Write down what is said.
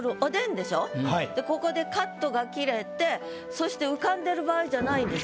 でここでカットが切れてそして浮かんでる場合じゃないんです。